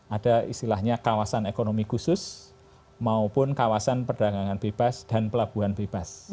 ada istilahnya kawasan ekonomi khusus maupun kawasan perdagangan bebas dan pelabuhan bebas